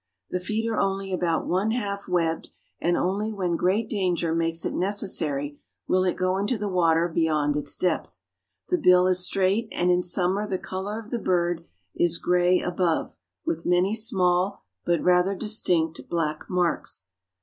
The feet are only about one half webbed and only when great danger makes it necessary will it go into the water beyond its depth. The bill is straight and in summer the color of the bird is gray above, with many small but rather distinct black marks.